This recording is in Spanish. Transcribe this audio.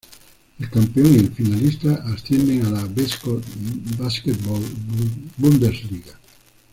El campeón y el finalista ascienden a la Basketball-Bundesliga.